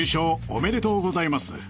おめでとうございます。